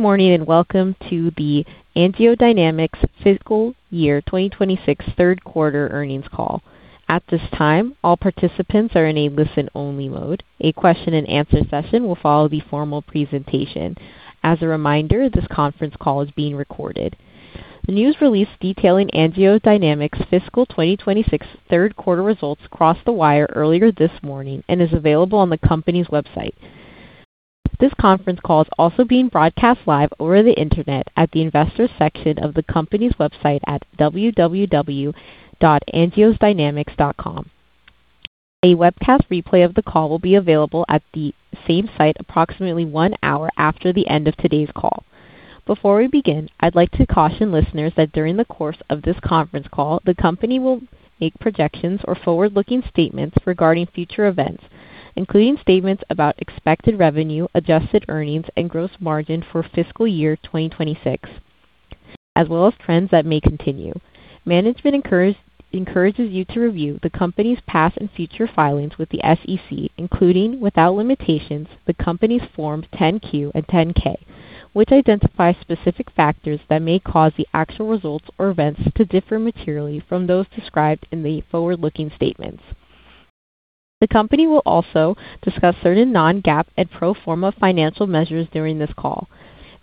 Good morning, and welcome to the AngioDynamics Fiscal Year 2026 third quarter earnings call. At this time, all participants are in a listen-only mode. A question-and-answer session will follow the formal presentation. As a reminder, this conference call is being recorded. The news release detailing AngioDynamics's fiscal 2026 third quarter results crossed the wire earlier this morning and is available on the company's website. This conference call is also being broadcast live over the Internet at the Investors section of the company's website at www.angiodynamics.com. A webcast replay of the call will be available at the same site approximately one hour after the end of today's call. Before we begin, I'd like to caution listeners that during the course of this conference call, the company will make projections or forward-looking statements regarding future events, including statements about expected revenue, adjusted earnings, and gross margin for fiscal year 2026, as well as trends that may continue. Management encourages you to review the company's past and future filings with the SEC, including, without limitations, the company's Forms 10-Q and 10-K, which identify specific factors that may cause the actual results or events to differ materially from those described in the forward-looking statements. The company will also discuss certain non-GAAP and pro forma financial measures during this call.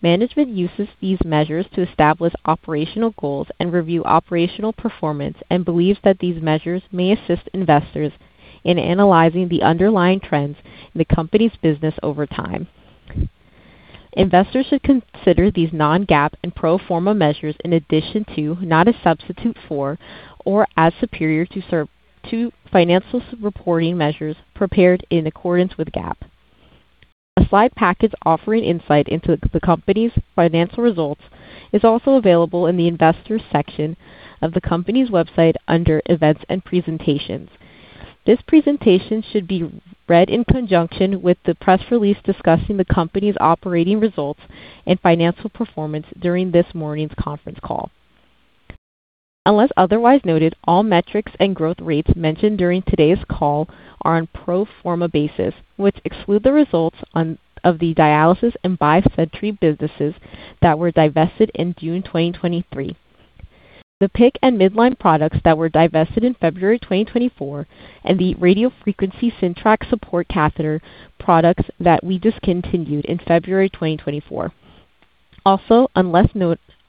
Management uses these measures to establish operational goals and review operational performance and believes that these measures may assist investors in analyzing the underlying trends in the company's business over time. Investors should consider these non-GAAP and pro forma measures in addition to, not a substitute for, or as superior to financial reporting measures prepared in accordance with GAAP. A slide package offering insight into the company's financial results is also available in the Investors section of the company's website under Events and Presentations. This presentation should be read in conjunction with the press release discussing the company's operating results and financial performance during this morning's conference call. Unless otherwise noted, all metrics and growth rates mentioned during today's call are on pro forma basis, which exclude the results of the Dialysis and BioSentry businesses that were divested in June 2023, the PICC and Midline products that were divested in February 2024, and the radiofrequency Syntrax support catheter products that we discontinued in February 2024. Also,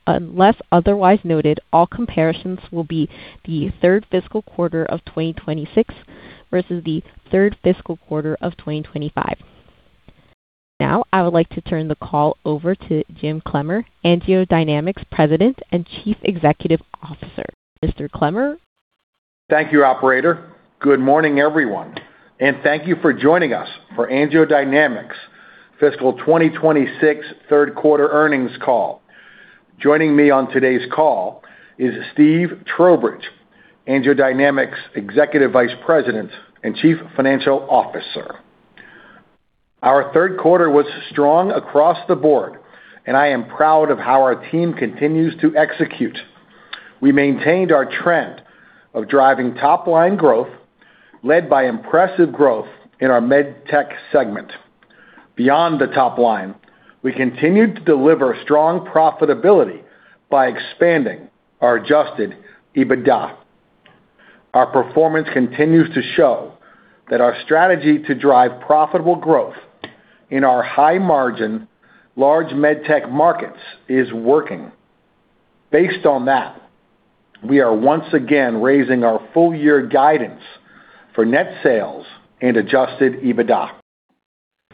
unless otherwise noted, all comparisons will be the third fiscal quarter of 2026 versus the third fiscal quarter of 2025. Now, I would like to turn the call over to Jim Clemmer, AngioDynamics' President and Chief Executive Officer. Mr. Clemmer? Thank you, operator. Good morning, everyone, and thank you for joining us for AngioDynamics' fiscal 2026 third quarter earnings call. Joining me on today's call is Steve Trowbridge, AngioDynamics' Executive Vice President and Chief Financial Officer. Our third quarter was strong across the Board, and I am proud of how our team continues to execute. We maintained our trend of driving top-line growth led by impressive growth in our MedTech segment. Beyond the top line, we continued to deliver strong profitability by expanding our adjusted EBITDA. Our performance continues to show that our strategy to drive profitable growth in our high-margin, large MedTech markets is working. Based on that, we are once again raising our full-year guidance for net sales and adjusted EBITDA.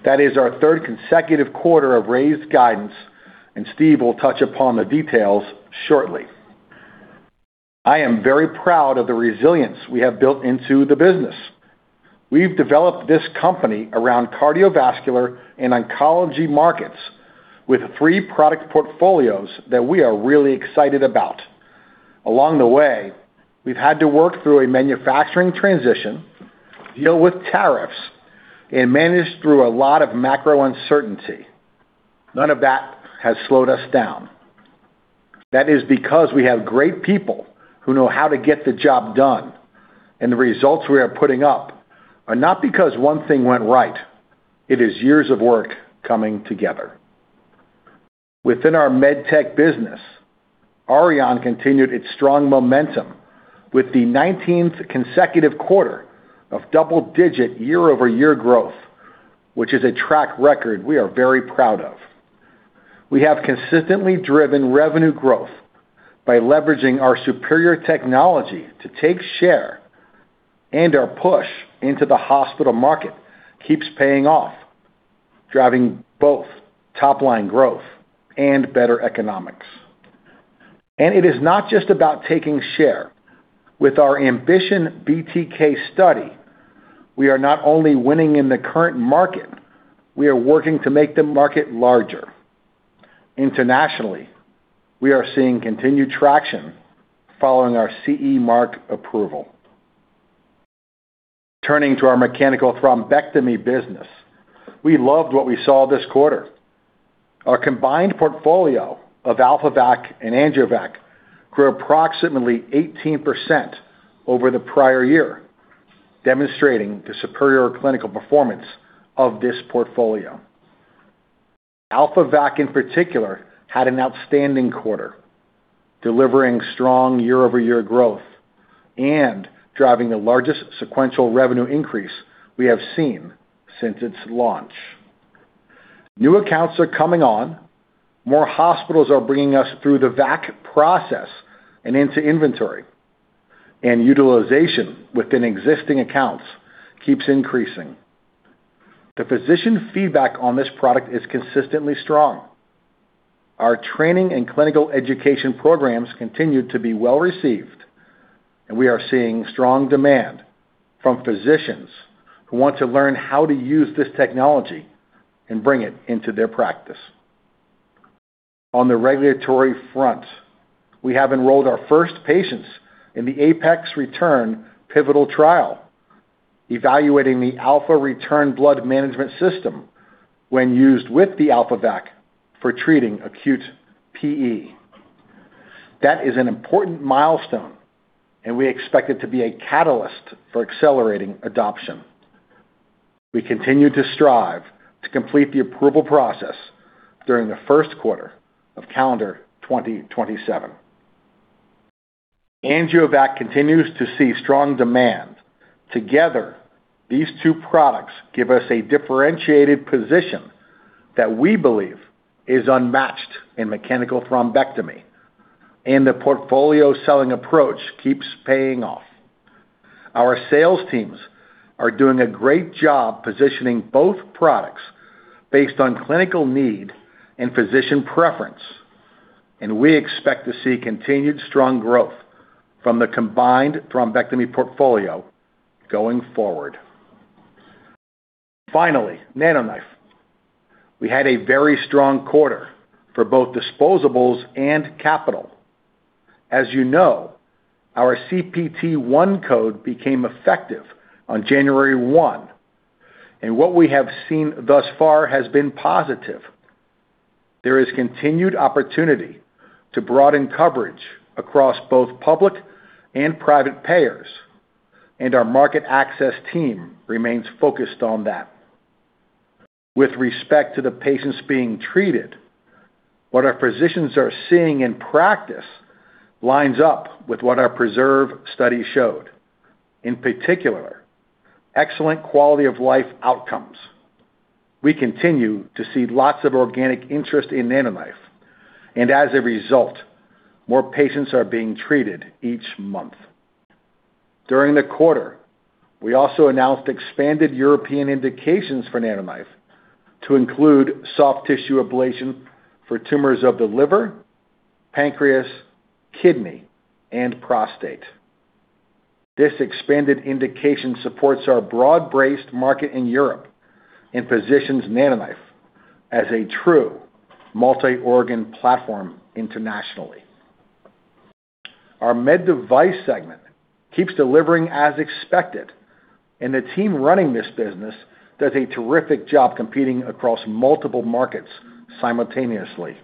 That is our third consecutive quarter of raised guidance, and Steve will touch upon the details shortly. I am very proud of the resilience we have built into the business. We've developed this company around cardiovascular and oncology markets with three product portfolios that we are really excited about. Along the way, we've had to work through a manufacturing transition, deal with tariffs, and manage through a lot of macro uncertainty. None of that has slowed us down. That is because we have great people who know how to get the job done, and the results we are putting up are not because one thing went right. It is years of work coming together. Within our MedTech business, Auryon continued its strong momentum with the 19th consecutive quarter of double-digit year-over-year growth, which is a track record we are very proud of. We have consistently driven revenue growth by leveraging our superior technology to take share, and our push into the hospital market keeps paying off, driving both top-line growth and better economics. It is not just about taking share. With our AMBITION BTK study, we are not only winning in the current market, we are working to make the market larger. Internationally, we are seeing continued traction following our CE Mark approval. Turning to our Mechanical Thrombectomy business, we loved what we saw this quarter. Our combined portfolio of AlphaVac and AngioVac grew approximately 18% over the prior year, demonstrating the superior clinical performance of this portfolio. AlphaVac in particular had an outstanding quarter, delivering strong year-over-year growth and driving the largest sequential revenue increase we have seen since its launch. New accounts are coming on, more hospitals are bringing us through the VAC process and into inventory, and utilization within existing accounts keeps increasing. The physician feedback on this product is consistently strong. Our training and clinical education programs continue to be well-received, and we are seeing strong demand from physicians who want to learn how to use this technology and bring it into their practice. On the regulatory front, we have enrolled our first patients in the APEX-Return pivotal trial, evaluating the AlphaReturn Blood Management System when used with the AlphaVac for treating acute PE. That is an important milestone and we expect it to be a catalyst for accelerating adoption. We continue to strive to complete the approval process during the first quarter of calendar 2027. AngioVac continues to see strong demand. Together, these two products give us a differentiated position that we believe is unmatched in Mechanical Thrombectomy, and the portfolio selling approach keeps paying off. Our sales teams are doing a great job positioning both products based on clinical need and physician preference, and we expect to see continued strong growth from the combined thrombectomy portfolio going forward. Finally, NanoKnife. We had a very strong quarter for both disposables and capital. As you know, our CPT Category I code became effective on January 1st, and what we have seen thus far has been positive. There is continued opportunity to broaden coverage across both public and private payers, and our market access team remains focused on that. With respect to the patients being treated, what our physicians are seeing in practice lines up with what our PRESERVE study showed. In particular, excellent quality of life outcomes. We continue to see lots of organic interest in NanoKnife, and as a result, more patients are being treated each month. During the quarter, we also announced expanded European indications for NanoKnife to include soft tissue ablation for tumors of the liver, pancreas, kidney, and prostate. This expanded indication supports our broad-based market in Europe and positions NanoKnife as a true multi-organ platform internationally. Our Med Device segment keeps delivering as expected, and the team running this business does a terrific job competing across multiple markets simultaneously.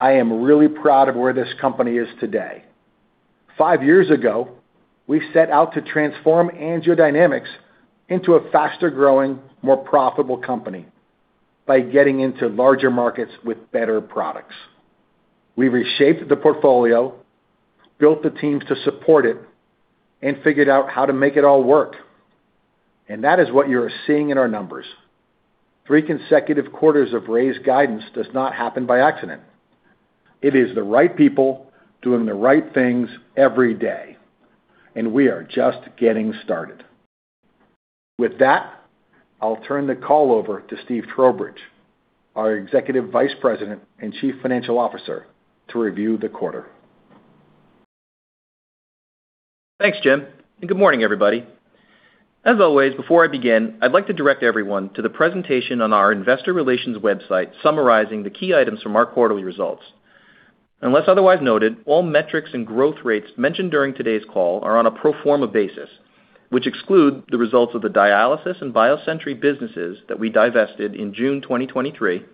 I am really proud of where this company is today. Five years ago, we set out to transform AngioDynamics into a faster-growing, more profitable company by getting into larger markets with better products. We reshaped the portfolio, built the teams to support it, and figured out how to make it all work. That is what you're seeing in our numbers. Three consecutive quarters of raised guidance does not happen by accident. It is the right people doing the right things every day, and we are just getting started. With that, I'll turn the call over to Steve Trowbridge, our Executive Vice President and Chief Financial Officer, to review the quarter. Thanks, Jim, and good morning, everybody. As always, before I begin, I'd like to direct everyone to the presentation on our investor relations website summarizing the key items from our quarterly results. Unless otherwise noted, all metrics and growth rates mentioned during today's call are on a pro forma basis, which exclude the results of the Dialysis and BioSentry businesses that we divested in June 2023,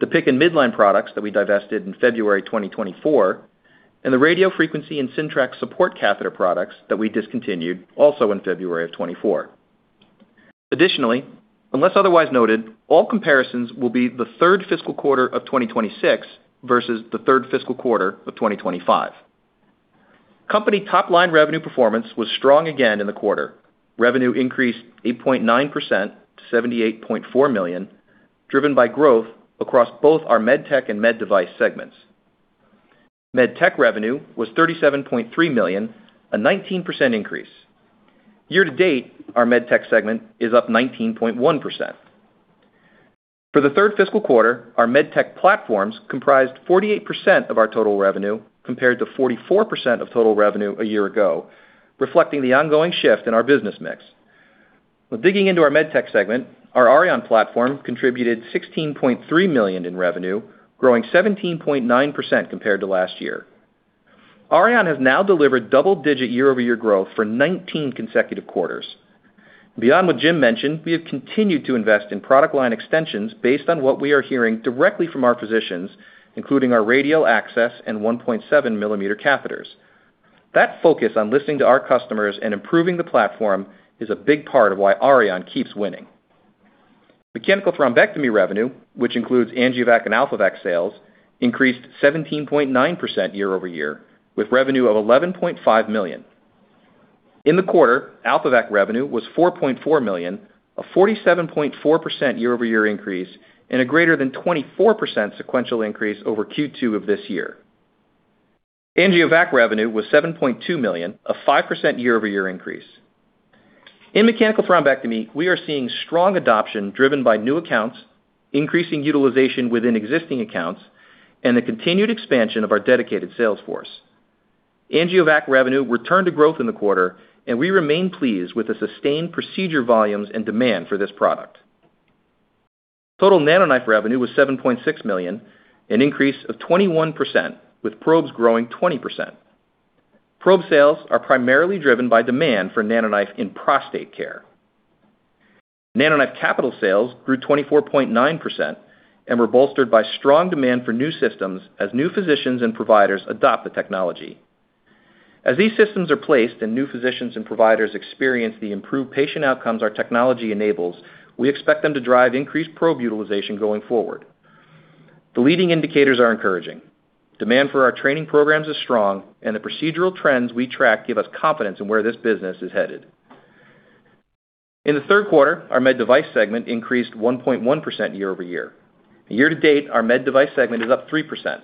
the PICC and Midline products that we divested in February 2024, and the radio frequency and Syntrax support catheter products that we discontinued also in February of 2024. Additionally, unless otherwise noted, all comparisons will be the third fiscal quarter of 2026 versus the third fiscal quarter of 2025. Company top-line revenue performance was strong again in the quarter. Revenue increased 8.9% to $78.4 million, driven by growth across both our MedTech and Med Device segments. MedTech revenue was $37.3 million, a 19% increase. Year-to-date, our MedTech segment is up 19.1%. For the third fiscal quarter, our MedTech platforms comprised 48% of our total revenue compared to 44% of total revenue a year ago, reflecting the ongoing shift in our business mix. Digging into our MedTech segment, our Auryon platform contributed $16.3 million in revenue, growing 17.9% compared to last year. Auryon has now delivered double-digit year-over-year growth for 19 consecutive quarters. Beyond what Jim mentioned, we have continued to invest in product line extensions based on what we are hearing directly from our physicians, including our radial access and 1.7 mm catheters. That focus on listening to our customers and improving the platform is a big part of why Auryon keeps winning. Mechanical Thrombectomy revenue, which includes AngioVac and AlphaVac sales, increased 17.9% year-over-year, with revenue of $11.5 million. In the quarter, AlphaVac revenue was $4.4 million, a 47.4% year-over-year increase and a greater than 24% sequential increase over Q2 of this year. AngioVac revenue was $7.2 million, a 5% year-over-year increase. In Mechanical Thrombectomy, we are seeing strong adoption driven by new accounts, increasing utilization within existing accounts, and the continued expansion of our dedicated sales force. AngioVac revenue returned to growth in the quarter, and we remain pleased with the sustained procedure volumes and demand for this product. Total NanoKnife revenue was $7.6 million, an increase of 21%, with probes growing 20%. Probe sales are primarily driven by demand for NanoKnife in prostate care. NanoKnife capital sales grew 24.9% and were bolstered by strong demand for new systems as new physicians and providers adopt the technology. As these systems are placed and new physicians and providers experience the improved patient outcomes our technology enables, we expect them to drive increased probe utilization going forward. The leading indicators are encouraging. Demand for our training programs is strong, and the procedural trends we track give us confidence in where this business is headed. In the third quarter, our Med Device segment increased 1.1% year-over-year. Year-to-date, our Med Device segment is up 3%.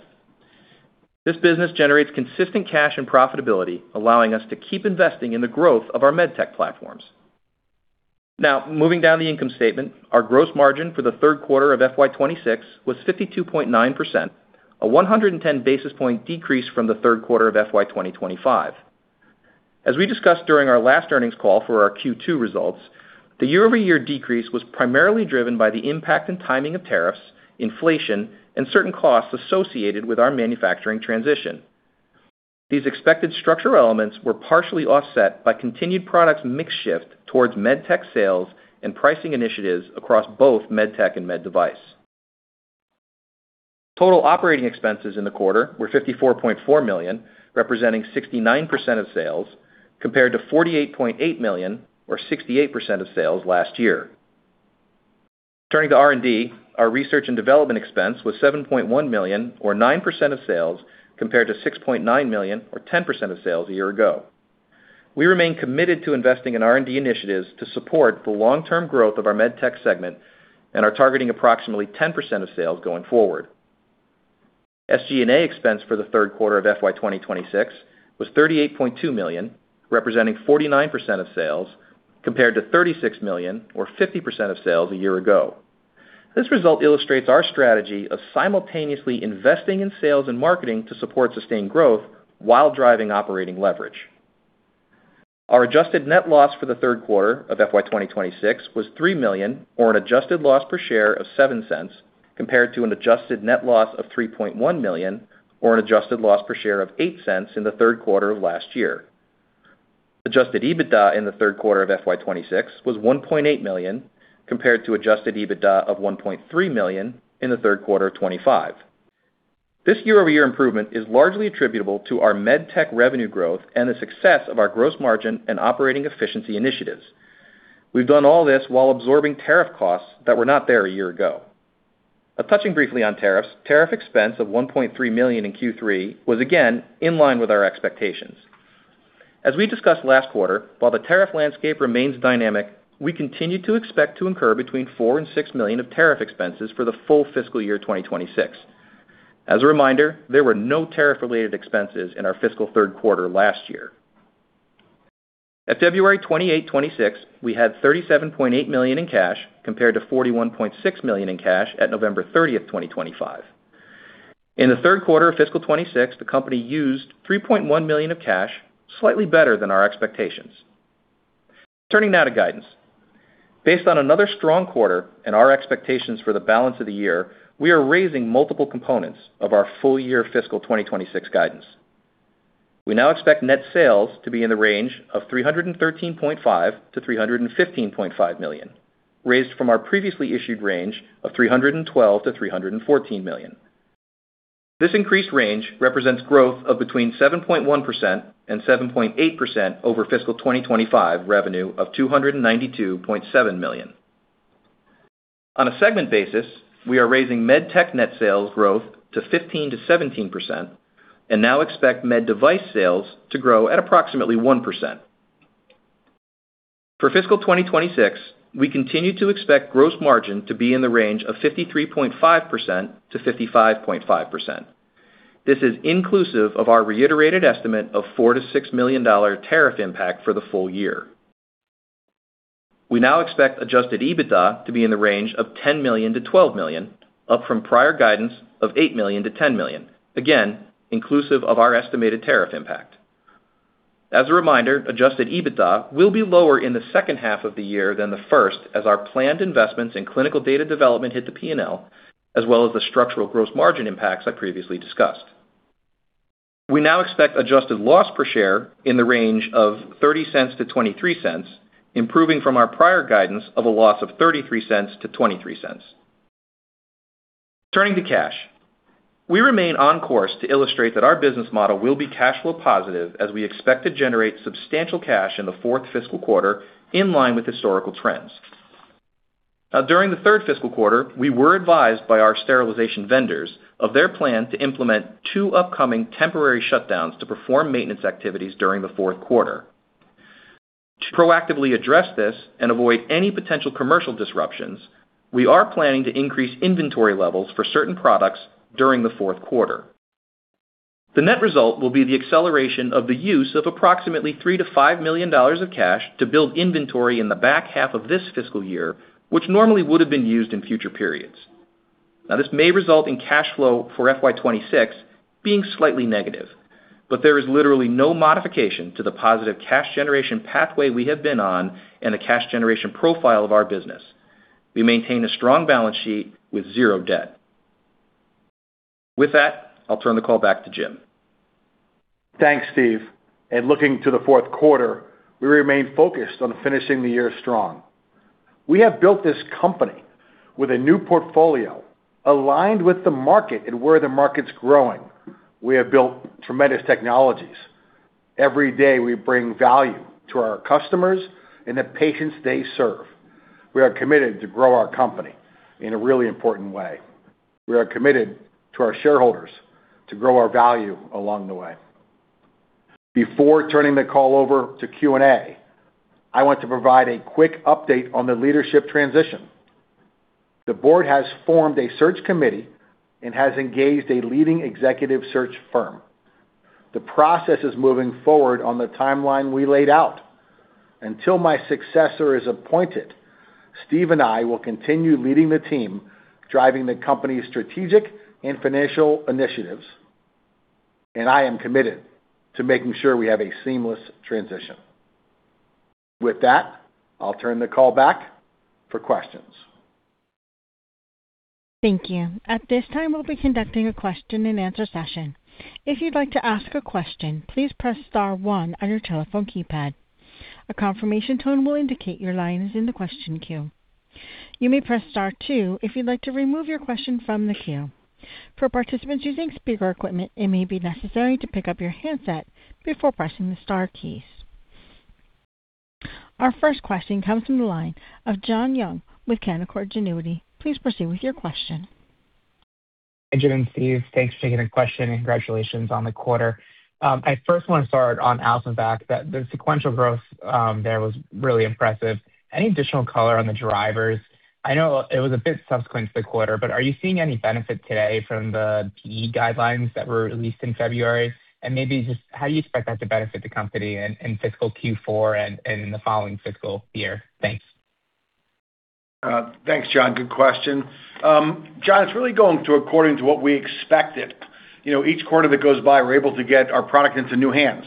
This business generates consistent cash and profitability, allowing us to keep investing in the growth of our MedTech platforms. Now, moving down the income statement, our gross margin for the third quarter of FY 2026 was 52.9%, a 110 basis point decrease from the third quarter of FY 2025. As we discussed during our last earnings call for our Q2 results, the year-over-year decrease was primarily driven by the impact and timing of tariffs, inflation, and certain costs associated with our manufacturing transition. These expected structural elements were partially offset by continued product mix shift towards MedTech sales and pricing initiatives across both MedTech and Med Device. Total operating expenses in the quarter were $54.4 million, representing 69% of sales, compared to $48.8 million or 68% of sales last year. Turning to R&D, our research and development expense was $7.1 million or 9% of sales, compared to $6.9 million or 10% of sales a year ago. We remain committed to investing in R&D initiatives to support the long-term growth of our Med Tech segment and are targeting approximately 10% of sales going forward. SG&A expense for the third quarter of FY 2026 was $38.2 million, representing 49% of sales, compared to $36 million or 50% of sales a year ago. This result illustrates our strategy of simultaneously investing in sales and marketing to support sustained growth while driving operating leverage. Our adjusted net loss for the third quarter of FY 2026 was $3 million or an adjusted loss per share of $0.07 compared to an adjusted net loss of $3.1 million or an adjusted loss per share of $0.08 in the third quarter of last year. Adjusted EBITDA in the third quarter of FY 2026 was $1.8 million compared to adjusted EBITDA of $1.3 million in the third quarter of 2025. This year-over-year improvement is largely attributable to our MedTech revenue growth and the success of our gross margin and operating efficiency initiatives. We've done all this while absorbing tariff costs that were not there a year ago. Touching briefly on tariffs, tariff expense of $1.3 million in Q3 was again in line with our expectations. As we discussed last quarter, while the tariff landscape remains dynamic, we continue to expect to incur between $4 million and $6 million of tariff expenses for the full fiscal year 2026. As a reminder, there were no tariff-related expenses in our fiscal third quarter last year. At February 28th, 2026, we had $37.8 million in cash compared to $41.6 million in cash at November 30th, 2025. In the third quarter of fiscal 2026, the company used $3.1 million of cash, slightly better than our expectations. Turning now to guidance. Based on another strong quarter and our expectations for the balance of the year, we are raising multiple components of our full-year fiscal 2026 guidance. We now expect net sales to be in the range of $313.5 million-$315.5 million, raised from our previously issued range of $312 million-$314 million. This increased range represents growth of between 7.1% and 7.8% over fiscal 2025 revenue of $292.7 million. On a segment basis, we are raising Med Tech net sales growth to 15%-17% and now expect Med Device sales to grow at approximately 1%. For fiscal 2026, we continue to expect gross margin to be in the range of 53.5%-55.5%. This is inclusive of our reiterated estimate of $4 million-$6 million tariff impact for the full-year. We now expect adjusted EBITDA to be in the range of $10 million-$12 million, up from prior guidance of $8 million-$10 million, again, inclusive of our estimated tariff impact. As a reminder, adjusted EBITDA will be lower in the second half of the year than the first as our planned investments in clinical data development hit the P&L as well as the structural gross margin impacts I previously discussed. We now expect adjusted loss per share in the range of $0.30-$0.23, improving from our prior guidance of a loss of $0.33-$0.23. Turning to cash. We remain on course to illustrate that our business model will be cash flow positive as we expect to generate substantial cash in the fourth fiscal quarter in line with historical trends. Now, during the third fiscal quarter, we were advised by our sterilization vendors of their plan to implement two upcoming temporary shutdowns to perform maintenance activities during the fourth quarter. To proactively address this and avoid any potential commercial disruptions, we are planning to increase inventory levels for certain products during the fourth quarter. The net result will be the acceleration of the use of approximately $3 million-$5 million of cash to build inventory in the back half of this fiscal year, which normally would have been used in future periods. Now, this may result in cash flow for FY 2026 being slightly negative, but there is literally no modification to the positive cash generation pathway we have been on and the cash generation profile of our business. We maintain a strong balance sheet with zero debt. With that, I'll turn the call back to Jim. Thanks, Steve. Looking to the fourth quarter, we remain focused on finishing the year strong. We have built this company with a new portfolio aligned with the market and where the market's growing. We have built tremendous technologies. Every day, we bring value to our customers and the patients they serve. We are committed to grow our company in a really important way. We are committed to our shareholders to grow our value along the way. Before turning the call over to Q&A, I want to provide a quick update on the leadership transition. The Board has formed a search committee and has engaged a leading executive search firm. The process is moving forward on the timeline we laid out. Until my successor is appointed, Steve and I will continue leading the team, driving the company's strategic and financial initiatives. I am committed to making sure we have a seamless transition. With that, I'll turn the call back for questions. Thank you. At this time, we'll be conducting a question-and-answer session. If you'd like to ask a question, please press star one on your telephone keypad. A confirmation tone will indicate your line is in the question queue. You may press star two if you'd like to remove your question from the queue. For participants using speaker equipment, it may be necessary to pick up your handset before pressing the star keys. Our first question comes from the line of John Young with Canaccord Genuity. Please proceed with your question. Hi, Jim and Steve. Thanks for taking the question, and congratulations on the quarter. I first want to start on AlphaVac, that the sequential growth there was really impressive. Any additional color on the drivers? I know it was a bit subsequent to the quarter, but are you seeing any benefit today from the PE guidelines that were released in February? Maybe just how do you expect that to benefit the company in fiscal Q4 and in the following fiscal year? Thanks. Thanks, John. Good question. John, it's really going according to what we expected. You know, each quarter that goes by, we're able to get our product into new hands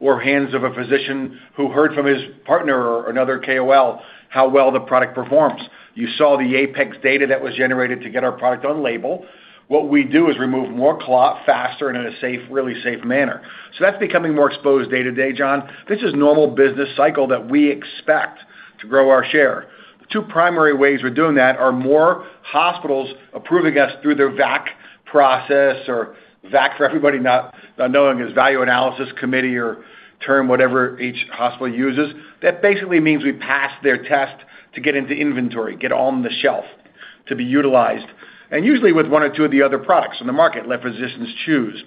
or hands of a physician who heard from his partner or another KOL how well the product performs. You saw the APEX-AV data that was generated to get our product on label. What we do is remove more clot faster and in a safe, really safe manner. That's becoming more exposed day-to-day, John. This is normal business cycle that we expect to grow our share. The two primary ways we're doing that are more hospitals approving us through their VAC process or VAC for everybody not knowing is value analysis committee or term whatever each hospital uses. That basically means we pass their test to get into inventory, get on the shelf to be utilized, and usually with one or two of the other products in the market, let physicians choose.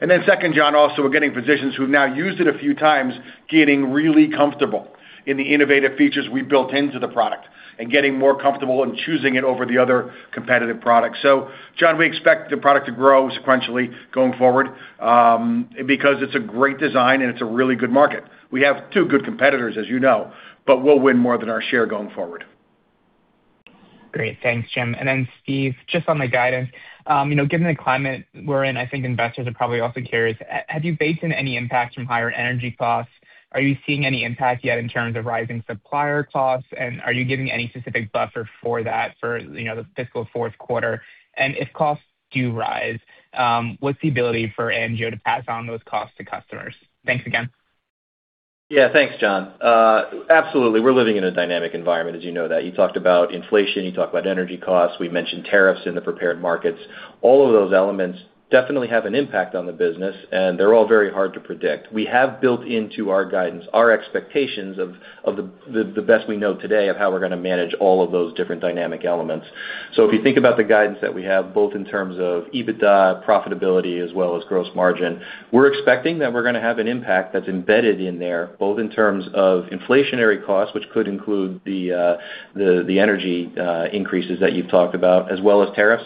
Then second, John, also, we're getting physicians who've now used it a few times, getting really comfortable in the innovative features we built into the product and getting more comfortable in choosing it over the other competitive products. John, we expect the product to grow sequentially going forward, because it's a great design and it's a really good market. We have two good competitors, as you know, but we'll win more than our share going forward. Great. Thanks, Jim. Steve, just on the guidance, you know, given the climate we're in, I think investors are probably also curious, have you baked in any impact from higher energy costs? Are you seeing any impact yet in terms of rising supplier costs? Are you giving any specific buffer for that for, you know, the fiscal fourth quarter? If costs do rise, what's the ability for AngioDynamics to pass on those costs to customers? Thanks again. Yeah. Thanks, John. Absolutely. We're living in a dynamic environment, as you know that. You talked about inflation. You talked about energy costs. We mentioned tariffs in the prepared remarks. All of those elements definitely have an impact on the business, and they're all very hard to predict. We have built into our guidance our expectations of the best we know today of how we're going to manage all of those different dynamic elements. If you think about the guidance that we have, both in terms of EBITDA profitability as well as gross margin, we're expecting that we're going to have an impact that's embedded in there, both in terms of inflationary costs, which could include the energy increases that you've talked about, as well as tariffs.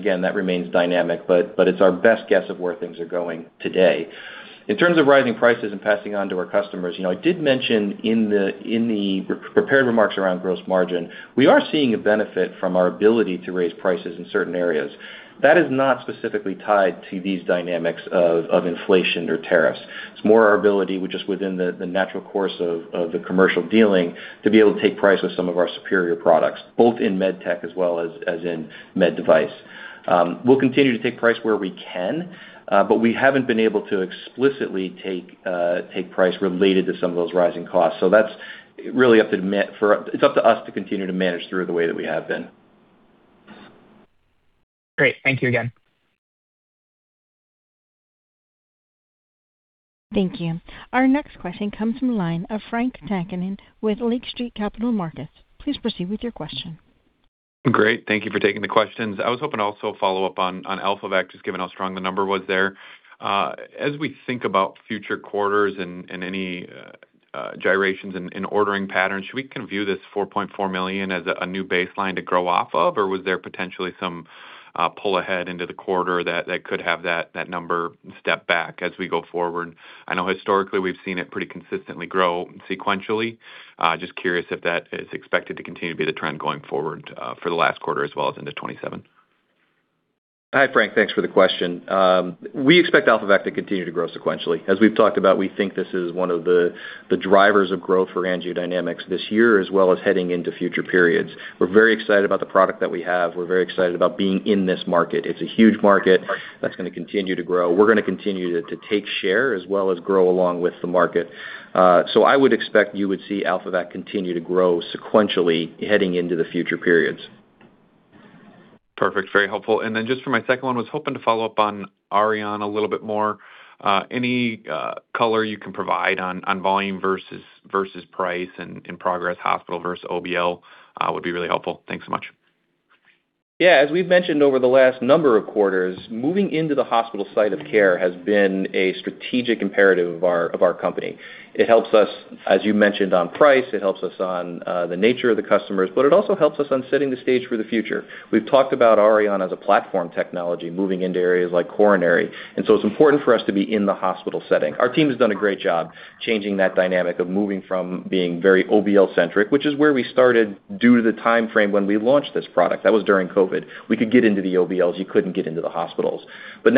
Again, that remains dynamic, but it's our best guess of where things are going today. In terms of rising prices and passing on to our customers, you know, I did mention in the prepared remarks around gross margin, we are seeing a benefit from our ability to raise prices in certain areas. That is not specifically tied to these dynamics of inflation or tariffs. It's more our ability just within the natural course of the commercial dealing to be able to take price with some of our superior products, both in MedTech as well as in Med Device. We'll continue to take price where we can, but we haven't been able to explicitly take price related to some of those rising costs. It's up to us to continue to manage through the way that we have been. Great, thank you again. Thank you. Our next question comes from the line of Frank Takkinen with Lake Street Capital Markets. Please proceed with your question. Great, thank you for taking the questions. I was hoping also to follow up on AlphaVac, just given how strong the number was there. As we think about future quarters and any gyrations in ordering patterns, should we view this $4.4 million as a new baseline to grow off of? Or was there potentially some pull ahead into the quarter that could have that number step back as we go forward? I know historically we've seen it pretty consistently grow sequentially. Just curious if that is expected to continue to be the trend going forward, for the last quarter as well as into 2027. Hi, Frank. Thanks for the question. We expect AlphaVac to continue to grow sequentially. As we've talked about, we think this is one of the drivers of growth for AngioDynamics this year, as well as heading into future periods. We're very excited about the product that we have. We're very excited about being in this market. It's a huge market that's gonna continue to grow. We're gonna continue to take share as well as grow along with the market. I would expect you would see AlphaVac continue to grow sequentially heading into the future periods. Perfect, very helpful. Just for my second one, was hoping to follow up on Auryon a little bit more. Any color you can provide on volume versus price and inpatient hospital versus OBL would be really helpful. Thanks so much. Yeah. As we've mentioned over the last number of quarters, moving into the hospital site of care has been a strategic imperative of our company. It helps us, as you mentioned, on price. It helps us on the nature of the customers, but it also helps us on setting the stage for the future. We've talked about Auryon as a platform technology moving into areas like coronary, and so it's important for us to be in the hospital setting. Our team has done a great job changing that dynamic of moving from being very OBL-centric, which is where we started due to the timeframe when we launched this product. That was during COVID. We could get into the OBLs. You couldn't get into the hospitals.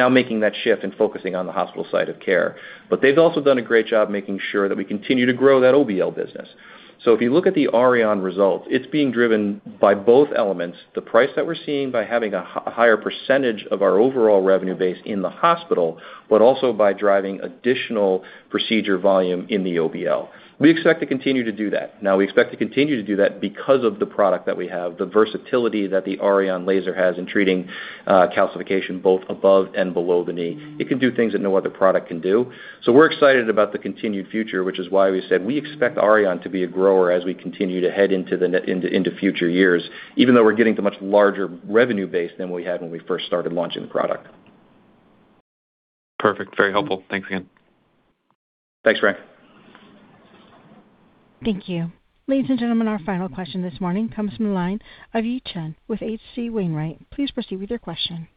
Now making that shift and focusing on the hospital side of care. They've also done a great job making sure that we continue to grow that OBL business. If you look at the Auryon results, it's being driven by both elements, the price that we're seeing by having a higher percentage of our overall revenue base in the hospital, but also by driving additional procedure volume in the OBL. We expect to continue to do that. Now we expect to continue to do that because of the product that we have, the versatility that the Auryon laser has in treating calcification both above and below the knee. It can do things that no other product can do. We're excited about the continued future, which is why we said we expect Auryon to be a grower as we continue to head into future years, even though we're getting to much larger revenue base than we had when we first started launching the product. Perfect, very helpful. Thanks again. Thanks, Frank. Thank you. Ladies and gentlemen, our final question this morning comes from the line of Yi Chen with H.C. Wainwright. Please proceed with your question.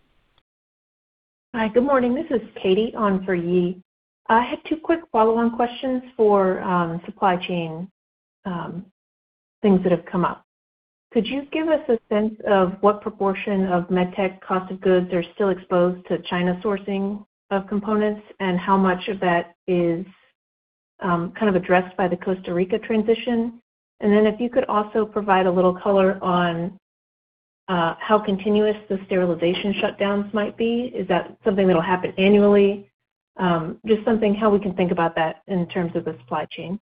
Hi, good morning. This is Katie on for Yi. I had two quick follow-on questions for supply chain things that have come up. Could you give us a sense of what proportion of MedTech cost of goods are still exposed to China sourcing of components, and how much of that is kind of addressed by the Costa Rica transition? If you could also provide a little color on how continuous the sterilization shutdowns might be. Is that something that'll happen annually? Just something how we can think about that in terms of the supply chain.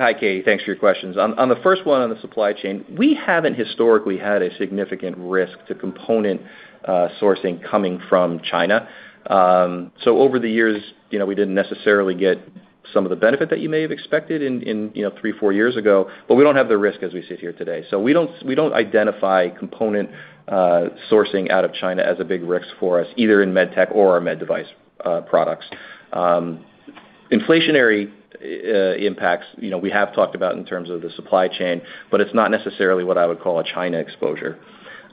Hi, Katie. Thanks for your questions. On the first one on the supply chain, we haven't historically had a significant risk to component sourcing coming from China. So over the years, you know, we didn't necessarily get some of the benefit that you may have expected in three, four years ago, but we don't have the risk as we sit here today. So we don't identify component sourcing out of China as a big risk for us, either in MedTech or our Med Device products. Inflationary impacts, you know, we have talked about in terms of the supply chain, but it's not necessarily what I would call a China exposure.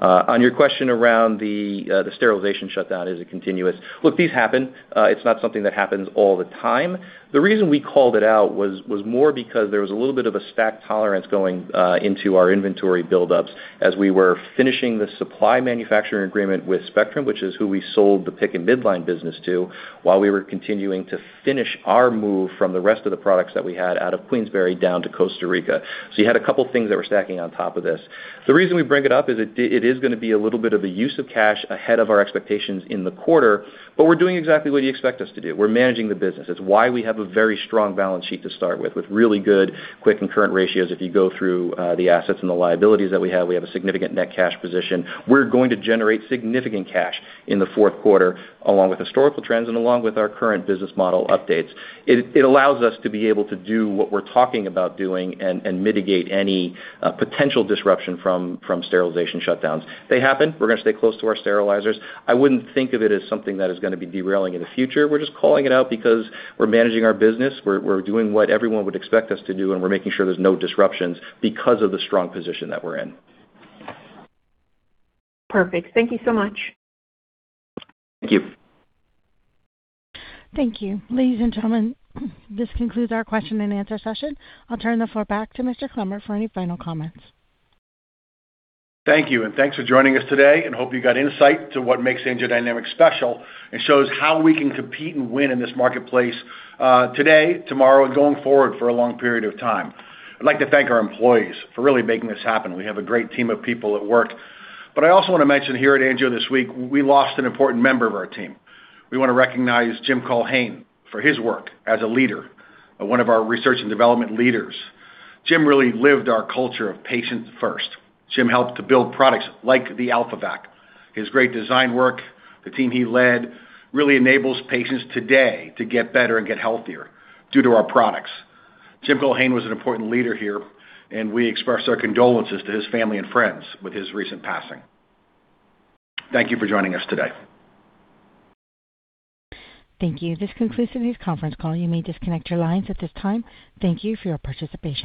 On your question around the sterilization shutdown, is it continuous? Look, these happen. It's not something that happens all the time. The reason we called it out was more because there was a little bit of a stack tolerance going into our inventory buildups as we were finishing the supply manufacturing agreement with Spectrum, which is who we sold the PICC and Midline business to, while we were continuing to finish our move from the rest of the products that we had out of Queensbury down to Costa Rica. You had a couple things that were stacking on top of this. The reason we bring it up is it is gonna be a little bit of a use of cash ahead of our expectations in the quarter, but we're doing exactly what you expect us to do. We're managing the business. It's why we have a very strong balance sheet to start with really good quick and current ratios. If you go through the assets and the liabilities that we have, we have a significant net cash position. We're going to generate significant cash in the fourth quarter, along with historical trends and along with our current business model updates. It allows us to be able to do what we're talking about doing and mitigate any potential disruption from sterilization shutdowns. They happen. We're gonna stay close to our sterilizers. I wouldn't think of it as something that is gonna be derailing in the future. We're just calling it out because we're managing our business. We're doing what everyone would expect us to do, and we're making sure there's no disruptions because of the strong position that we're in. Perfect, thank you so much. Thank you. Thank you. Ladies and gentlemen, this concludes our question-and-answer session. I'll turn the floor back to Mr. Clemmer for any final comments. Thank you, and thanks for joining us today, and I hope you got insight to what makes AngioDynamics special and shows how we can compete and win in this marketplace, today, tomorrow, and going forward for a long period of time. I'd like to thank our employees for really making this happen. We have a great team of people at work. I also wanna mention here at Angio this week, we lost an important member of our team. We wanna recognize Jim Culhane for his work as a leader and one of our research and development leaders. Jim really lived our culture of patient first. Jim helped to build products like the AlphaVac. His great design work, the team he led, really enables patients today to get better and get healthier due to our products. Jim Culhane was an important leader here, and we express our condolences to his family and friends with his recent passing. Thank you for joining us today. Thank you. This concludes today's conference call. You may disconnect your lines at this time. Thank you for your participation.